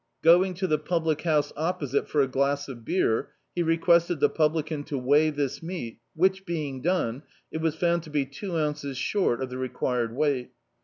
Going to the public house opposite for a glass of beer, he requested the publican to weigh this meat, which being done, it was found to be two ounces short of the required weight.